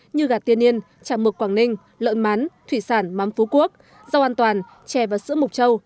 như gạt tiên niên chả mực quảng ninh lợn mán thủy sản mắm phú quốc rau an toàn chè và sữa mục châu